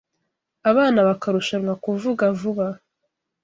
Abana bakarushanwa kuvuga vuba